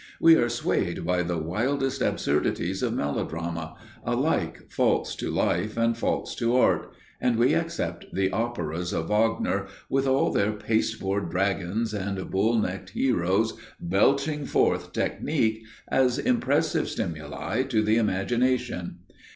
We are swayed by the wildest absurdities of melodrama, alike false to life and false to art, and we accept the operas of Wagner, with all their pasteboard dragons and bull necked heroes belching forth technique, as impressive stimuli to the imagination.